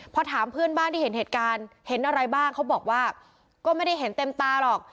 พอถามเพื่อนบ้านที่เห็นเหตุการณ์เห็นอะไรบ้างเขาบอกว่าก็ไม่ได้เห็นเต็มตาหรอก